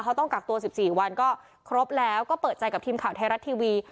เขาต้องกักตัว๑๔วันก็ครบแล้วก็เปิดใจกับทีมข่าวไทยรัฐทีวี